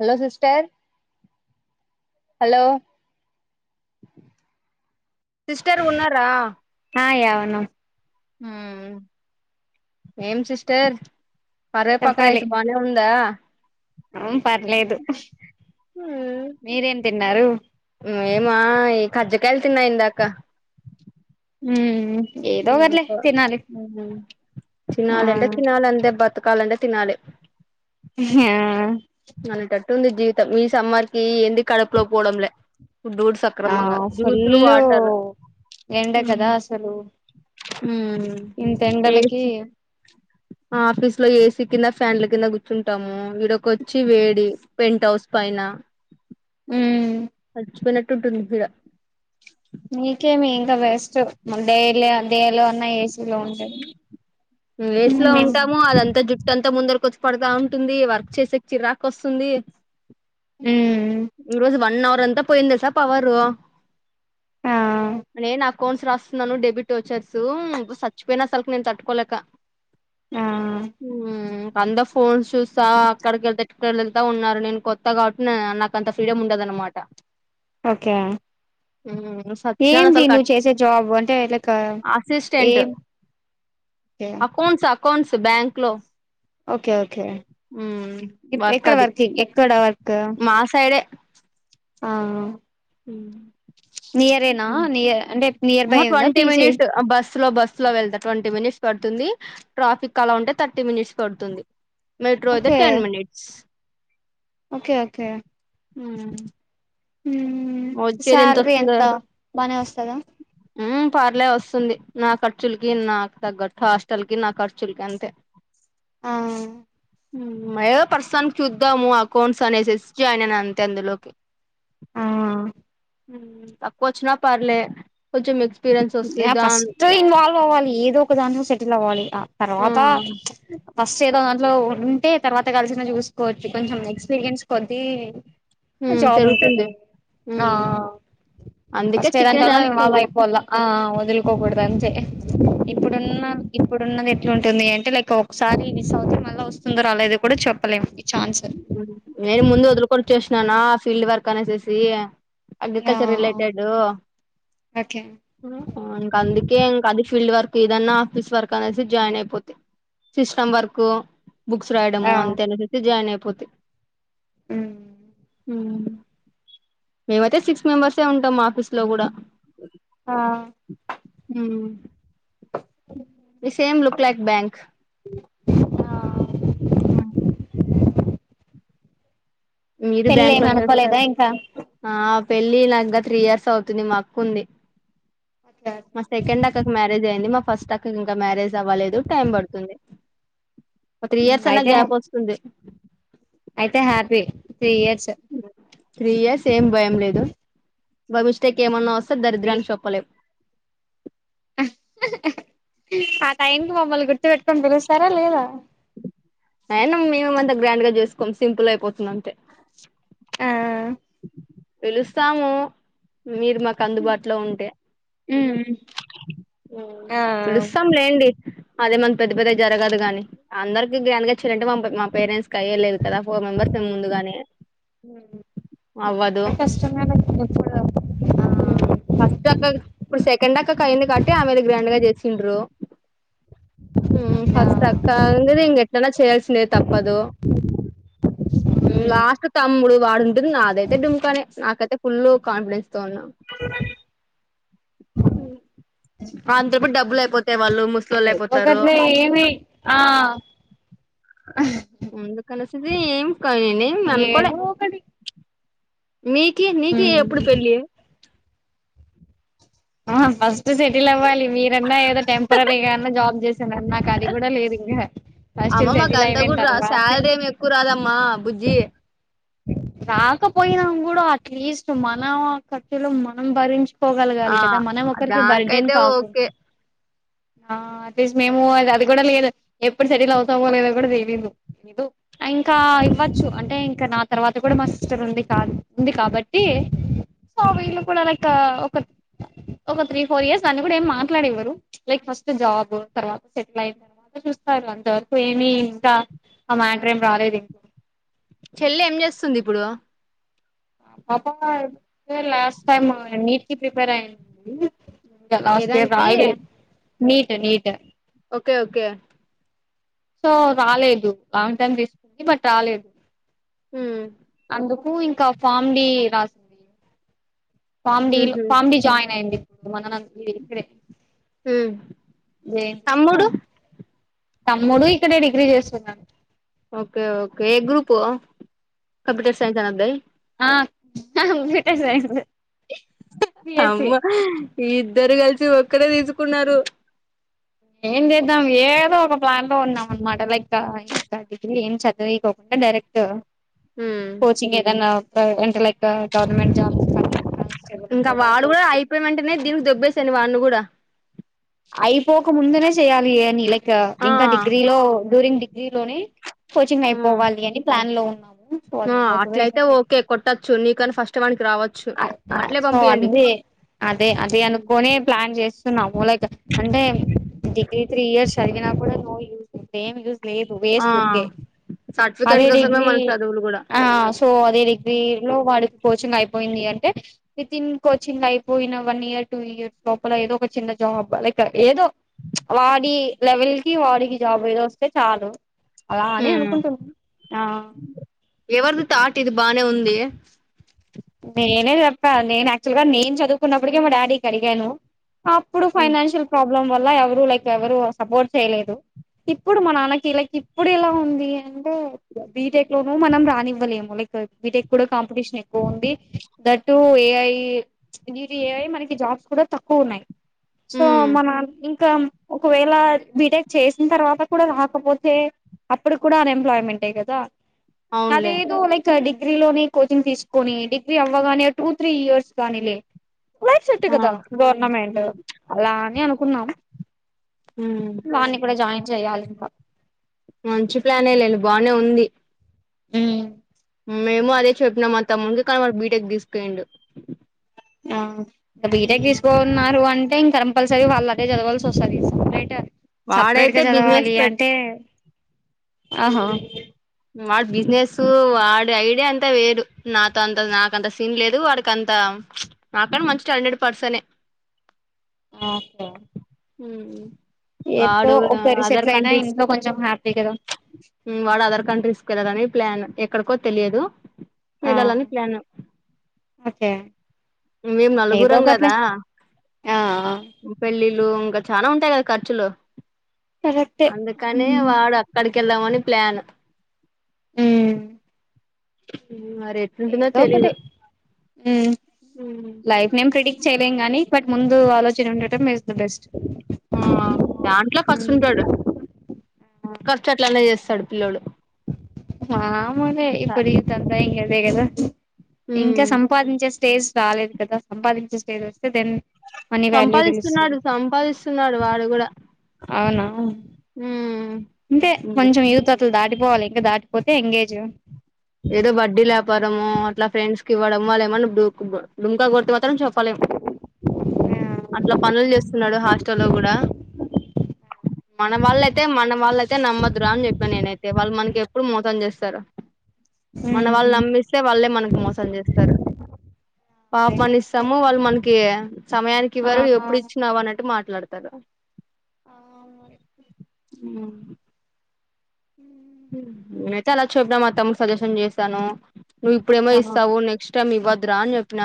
Hello sister hello sister ఉన్నారా ఆ యవనం హ్మ్మ్ ఏం సిస్టర్ కారేపాక్క రైస్ బానే ఉందా హ్మ్ పర్లేదు మీరేం తిన్నారు మేమా కజ్జికాయలు తిన్నా ఇందాకా హ్మ్ ఆ తినాల అంటే తినాల అందే బ బ్రతకాలంటే తినాలి [inaudible] ఆ అనేటట్టుంది జీవితం ఈ సమ్మర్ కి ఏంది కడుపులో పోవడంలే ఫుడ్డు ఆ సక్రమంగా జ్యూస్లు ఫుల్ వాటర్ ఎండ కదా అసలు హ్మ్మ్ ఇంత ఏ ఎండలకి ఆఫీస్ లో ఏసీ కింద ఫ్యాన్ల కింద కూర్చుంటాము వీడకొచ్చి వేడి పెంట్ హౌస్ పైన హమ్ చచ్చి పొనట్టు ఉంటది నీకు ఇడా నీకేమి ఇంకా బెస్ట్ డైలీ అ డే లోనా ఏసీలో ఉంటుది వేస్ లో ఉంటాము అదంతా జుట్టు అంతా ముందరికి వచ్చి పడతా ఉంటుంది వర చేసే చిరాకు వస్తుంది హమ్ ఈ రోజు వ వన్ అవర్ అంతా పోయిందిసా పవర్ ఆ నేను అకౌంట్స్ రాస్తున్నాను డెబిట్ వాచ్చ్రసు చచ్చిపోయినా అసలుకి నేను తట్టుకోలేక ఆ హమ్ అందరు ఫోన్స్ చూస్తా అక్కడికి వెళ్తే ఎట్కి వెళ్తా ఉన్నారు నేను కొత్త కాబట్టి నా అంత ఫ్రీడమ్ ఉండదన్నమాట ఓకే సచ్చినాను ఏమిది అసలు నువ్వు కట్ చేసే జాబ్ అంటే ఇలా అసిస్టెంట్ ఏం చెయ్య అకౌంట్స్ అకౌంట్స్ బ్యాంక్ లో ఓకే ఓకే మ్ ఇప్పుడు వర్క్ ఎక్కడ అది వర్క్ంగ్ ఎక్కడ వర్క్ మా సైడ్ ఎ ఆ అమ్ నియరేనా నియర్ అంటే నియర్ బై ఉందా పీజీ స్ లో బస్సు లో వెళ్తే ట్వంటీ మినిట్స్ పడుతుంది ట్రాఫిక్ అలా ఉంటే థర్టీ మినిట్స్ పడుతుంది మెట్రో ఐతే okay ten minutes okay okay హమ్ హమ్ సాలరీ ఎంత బానే వస్తద పార్లే వస్తుంది నా ఖర్చులకి నాకు తగ్గట్టు హాస్టల్ కి నా ఖర్చులకి అంతే ఆ ఏదో పర్సన్ చూద్దాము అకౌంట్స్ అనేసేసి జాయిన్ అయినా అంతే అందులోకి ఆ తక్కువ వచ్చిన పర్లే కొంచెం మిస్ ఫస్ట్ ఇన్వాల్వ్ అవ్వాలి ఏదో ఒక దాని సెటిల్ అవ్వాలి ఆ తర్వాత ఏదో దాంట్లో ఉంటే తర్వాత కలిసిన చూసుకోవచ్చు కొంచెం ఎక్స్పీరియన్స్ కొద్ది ఉమ్ జాబ్ ఉంటాది పెరుగుతుంది ఆ ఉమ్ అందుకే ఫస్ట్ చిక్కిన ఏదంట ఛాన్స్ వాళ అయిపోవాల ఆ వదులుకోకూడదు అంతే పెరిగాయి ఇప్పుడున్న ఇప్పుడున్నది ఎట్లుంటుంది అంటే లైక్ ఒక్కొక్కసారి మిస్ అవుతే మళ్ళీ వస్తుందో లేదో కూడా చెప్పలేం ఛాన్స్ నేను ముందు వదులుకొని చేస్ నా ఫీల్డ్ వర్క్ అనేసేసి ఆ అగ్రికల్చర్ రిలేటెడ్ ఓకే ఏదన్నా ఆఫీస్ వర్క్ అనేసి జాయిన్ అయిపోతి సిస్టమ్ వర్క్ బుక్స్ ఆ రాయడము అంతేననేసి జాయిన్ అయి అ మేమైతే సిక్స్ మెంబర్సే ఉంటాం ఆఫీస్ లో కూడా ఆ హు అ ఈ సేమ్ లుక్ లైక్ బ్యాంక్ ఆ మీరు పెళ్ళి బ్యాంక్ లో ఏమి అనుకోలేదా చేస్తారు ఇంకా పెళ్ళి నాంగ త్రీ ఇయర్స్ అవుతుంది మా అక్కు ఉంది మా సెకండ్ అక్కకి మ్యారేజ్ అయింది మా ఫస్ట్ అక్కకు ఇంకా మ్యారేజ్ దవ్వలేదు టైం పడుతుంది ఒక త్రీ ఇయర్స్ అన్నా అయితే గ్యాప్ వస్తుంది అయితే హ్యాపీ త్రీ ఇయర్స్ త్రీయర్స్ ఏం భయం లేదు బై మిస్టేక్ ఏమన్నాస్ దరిద్రాన్ని చెప్పలేం ఆ టైంకి మమ్మల్ని గుర్తు పెట్టుకొని పిలుస్తారా లేదా అయినా మేము అంతా గ్రాండ్ గా చేసుకోం సింపుల్ అయిపోతుంది అంతే ఆ పిలుస్తాము మీరు మాకు అందుబాటులో ఉంటే మ్మ్ ఆ పులుస్తాం లేండి అదే మన పెద్ద పెద్ద జరగదు కాగానీ అందరికి గ్రాన్డ్ గా చేయలంటే మా మా పెద్దనాన కయ్యేలేదు కదా ఫోర్ మెంబర్స్ ముందుగాని అవ్వదు కష్టమే లే ఇప్పుడు ఆ ఉమ్ ఫస్ట్ అక్కకి ఇప్పుడు సెకండ్ అక్కకి అయింది కాబట్టి ఆమెది గ్రాండ్ గా చేసిండ్రు ఉమ్ ఆ ఫస్ట్ అక్క ఇంగది ఎట్లన్నా చేయాల్సిందే తప్పదు ఉ ఉమ్ లాస్ట్ తమ్ముడు వాడు ఉంటుంది నాదైతే డుమ్కానే నాకైతే ఫుల్ కాన్ఫిడెన్స్ తోన్నా ఒకట్లే ఏమి ఆ ముంద కనసది ఏం కయె అన్కోలే ఏదో ఒకటి మీకి నీకి ఉమ్ ఎప్పుడు పెళ్ళి ఆ ఫస్ట్ సెటిల్ అవ్వాలి మీరన్నా ఏదో టెంపరీగా అన్నా జాబ్ చేస్తున్నారు నాకు అది కూడా లేదు ఇంకా ఫస్ట్ అమ్మ మాకు సెటిల్ అంతా అయిపోయిన కూడా రా తరువాతే శాలరీ ఏమి ఎక్కువ రాదమ్మా బుజ్జి రాకపోయినాం కూడా అట్లీస్ట్ మన కర్టలో మనం భరించు పోగలగాలి ఆ కదా మనం ఒకరికి బర్త్డేన్ దానికైతే కాకుడదు ఓకే ఆ అట్ మేము అది అది కూడా లేదు ఎప్పుడు సెటిల్ అవుతామో లేదో కూడా తెలియ ఇంకా ఇవ్వచ్చు అంటే ఇంకా నా తర్వాత కూడా మా సిస్టర్ ఉంది ఉంది కాబట్టి సో వీళ్ళు కూడా లైక్ ఒక ఒక త్రీ ఫోర్ ఇయర్స్ అని కూడా ఏమి మాట్లాడేవ్వరు లైక్ ఫస్ట్ జాబ్ తర్వాత సెటిల్ అయిన తర్వాత చూస్తారు అంతవరకు ఏమి ఇంకా ఆ మ్యాటర్ ఏం రాలేదు ఇం చెల్లిె ఏం చేస్తుంది ఇప్పుడు పాప లాస్ట్ టైమ్ నీట్ కి ప్రిపేర్ అయందండి కాలా వస్తే ఏదానికి రాయలే NEET NEET okay okay so రాలేదు లాంగ్ టైమ్ తీసుకుంది బట్ రాలేదు ఉమ్ అందు కు ఇంకా ఫామ్ బిరాసింది పామిడీ ఉహు పామిడీ జాయిన్ అయింది ఇప్పుడు మన ఇక్కడే ఉమ్ జయంతిలో తమ్ముడు తమ్ముడు ఇక్కడే డిగ్రీ చేస్తున్నాను ఓకే ఓకే ఏ గ్రూప్ కంప్యూటర్ సైన్స్ అన్నద్దాయ్ ఆ కంప్యూటర్ సైన్స్ అమ్మ బిఎస్సి ఇ ఇద్దరు కలిసి ఒక్కడే తీసుకున్నారు ఏం చేద్దాం ఏదో ఒక ప్లాన్ లో ఉన్నాం అనమాట లైక్ ఇంకా ద ఏం చదివికోకుండా డైరెక్ట్ హ్మ్ కోచింగ్ ఏదనా ప్రై అంటే లైక్ గవర్నమెంట్ జాబ్ ఇంకా వాడు కూడా అయిపోయిన వెంటనే దీనికి దెబ్బేసాను వాడి కూడా అయిపోక ముందనే చేయ్యాలి అని లైక్ ఆ ఇంకా డిగ్రీ లో డ్యూరింగ్ డిగ్ర లోనే కోచింగ్ అయిపోవాలి అని ప్లాన్ లో ఉ ఆ అట్లయితే ఓకే కొట్టొచ్చు నీకని ఫస్ట్ వ సో అదే అదే అదే అనుకోని ప్లాన్ చేస్తున్నాము లైక్ అంటే డిగ్రీ త్రీ ఇయర్స్ జరిగినా కూడా నో యూజ సేమ్ జూస్ లేదు ఆ వేస్తుకే అదే సర్టిఫికెట్ల కోసమే డిగ్రీ మన చదువులు కూడా ఆ సో అదే డిగ్రీ లో వాడు కోచింగ్ అయి పోయింది అంటే విత్ ఇన్ కోచింగ్ అయిపోయిన వన్ ఇయర్ టూ ఇయర్స్ లోపల ఏదో ఒక చిన్న జాబ్ లైక్ ఏదో వాడి లెవెల్ కి వాడికి జాబ్ ఏదో వస్తే చాలు అలా అని హ్మ్ అనుకుంటున్నా ఆ ఎవరిది తాట్ ఇది బానే ఉంది నేనే చెప్పా నేను యాక్చువల్ గా నేను చదువుకున్నప్పటికే మా డాడీకి అడిగాను అప్పుడు ఫైనాన్షియల్ ప్రాబ్ కులం వల్ల ఎవరు లైక్ ఎవరు సపోర్ట్ చేయలేదు ఇప్పుడు నాన్న కీలకి ఇప్పుడు ఎలా ఉంది అంటే బిటెక్ లోను మనం రానివ్వలేము బీటెక్ కూడా కాంపిటీషన్ బగుంది that A I D T A I మనకి జాబ్స్ కూడా తక్కువ ఉన్నాయి సో ఉమ్ మన ఇంకా ఒకవేళ బీటెక్ చేసిన తర్వాత కూడా రాకపోతే అప్పుడు కూడా అన్ఎంప్లాయ్మేంటే కదా అవునులే అదేదో ఉన్కాడిక్ డిగ్రీ లోనే కోచింగ్ తీస్ కొని డిగ్రీ అవ్వగానే టూ త్రీ ఇయర్స్ కానీలే లైఫ్ సెట్ ఆ కదా గవర్నమెంట్ అలాని అన్ కున్నాం హ్మ్ కానీ ఇప్పుడే జాయిన్ జయాలింక మంచి ప్లానే లెండి బానే ఉంది ఉమ్ మేము అదే చెప్పినాం మా తమ్మునికి కానీ వాడు బీటెక్ తీసుకోనిండు ఆ బీటెక్ తీసుకోన్నారు అం అంటే కంపల్సరీ వాళ్ళు అదే చదవలసి వస్తది బెటర్ వాడైతే సపరేట్గా బిజినెస్ చదవాలి పెట్ అంటే ఆహా వాడు బిజినెస్ వాడి ఐడియా అంతా వేరు నాతో అంత నాకంత సిన్ లేదు వాడికి అంత నా కంటే మంచి టాలెంటెడ్ పర్సనే ఉ ఏంటో ఒకరు సెట్లైయినా ఇంట్లో కొంచెం హ్యాపీ కదా సుకెళ్ళాలని ప్లాన్ ఎక్కడికో తెలియదు ఆ వెళ్లాలని ప్లాన్ ఓకే మేము ఏదో నలుగురం ఒకట్లే కదా ఆ పెళ్ళిళ్ళు ఇంకా చానా ఉంటాయి కదా ఖర్చులు కరెక్టే అందుకనే వాడు అక్కడిక్ కెళ్దామని ప్లాన్ ఉమ్ ఉమ్, మరి ఎట్లుంటుందో ఏదో ఒకటి తెలీదు ఉ మ్ ఉమ్. లైఫ్ నేం ప్రిడిక్ట్ చేయ గానీ బట్ ముందు ఆలో చన ఉండటం ఇజ్ ద బెస్ట్ ర్స్తుు ఉంటాడు కర్చు అట్లనే చేస్తాడు పిల్లోడు మ్ హా ఎమో లే ఇప్పుడు ఇదంతా ఏం చే బే గదా ఇంకా ఉమ్ సంపాదించేస్ స్టేజ్ రాలేదు కదా సంపాదించే స్టేజ్ వస్తే దెన్ మనీ వాల్యూ సంపాదిస్తున్నాడు తెలుస్తది సంపాదిస్తున్నాడు వాడు కూడా అంటే కొంచెం యూత్ అతలు దాటిపోవాలి ఇగా దాటిపోతే ఎంగేజ్ ఏదో వడ్డీ లే పరమో అట్లా ఫ్రెండ్స్ కి ఇవ్వడము వాళ్ళ ఏమన్నా డుంకా కొట్టి మాత్రం చెప్పలేం అట్లా పనులు చేస్తున్నాడు హాస్టల్ లో కూడా మన వాళ్ళ అయితే మన వాళ్ళయితే నమ్మదురా అని చెప్పిన నేనైతే వాళ్ళు మనకి ఎప్పుడు మోసం చేస్తారు మన వాళ్ళు నమ్మి అదే ఇస్తే వాళ్ళే మనకి మోసం చేస్ సర పాపం అని కరెక్టే ఇస్తాము వాళ్ళు మన్ కే సమయానికి ఆ ఇవ్వరు ఎప్పు ఇచ్చినవు అట్టు మాట్ ట్లాడతారా అవును ఉ ఆ ఉ నేను అయితే అలా చెప్పా మా తమ్మునికి సజెషన్ చేశాను నువు ఇప్పుడెమో ఆహా ఇస్తావు నెక్ట్ టైమ్ ఇవదు ద్రా అని చెప్పిన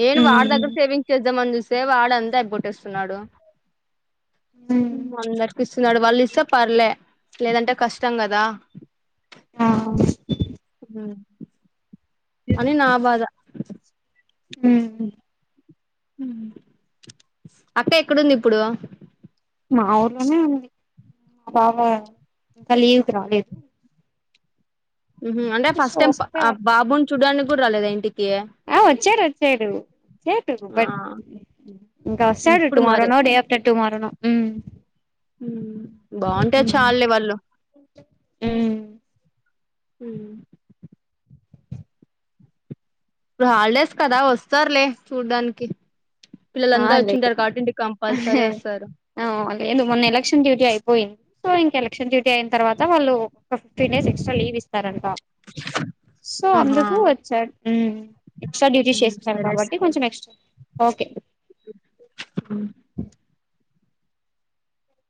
నేను వాడ్ దగ్గరే ఉమ్ సేవింగ్ చేద్దాం ని చూేస్ సేవ ఆడ అంతా అయి పగోట్టేస్తున్నాడు ఉమ్ అన్ దర్కు స్తూన్నాడు వాళ్ళు ఇస్తే పర్లే లేదంటే కష్ స్తం గదా ఆ హా ఉ మ్ అని నా బాద హు మ్ అక్క ఎక్కడుంది, ఇప్పుడు మా ఊర్లోనే ఉంది. మా బావ ఇంకా లీవ్ కి రాలేదు. ఉహూమ్ అంటే సో ఫస్ట్ టైం వస్తే ఆ బాబుని చూడనికి, కూడా రాలేదు ఇంటికి, ఏటుకు ఆ బట్ ఇంకా వస్తాడు. ఇప్పుడు మరి టుమారోనో డే ఆఫటర్ టుమారోనో, ఉమ్ ఉమ్ బాగుంటే చాలులే వాళ్ళు ఉమ్ ఉమ్ ఇప్పుడు హాలిడేస్ కదా, వస్తారులే చూడ్డానికి ఆ పిల్లలంతా వచ్చింటారు కాబట్టి ఇంటికి కంపల్సరీ వస్తారు అ అ ఎ మొన్ ఎలక్షన్ డ్యూటీ యి పోయింది, సో ఇంక ఎలక్షన్ డ్యూటీ అయిన తర్వా వాళ్ళు ఒక ఫిఫ్టీన్ డేస్ ఎక్స్ట్రా లీవ్ ఇస్తారంటా, సో ఆహా అందుకు వచ్చాారు, ఎక్స్ట్రా డ్యూటీ చేస్తున్నారు, కాబట్టి కొంచం ఎక్స్ట్రా ఓకే అ